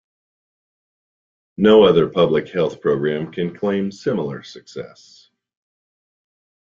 No other public health program can claim similar success.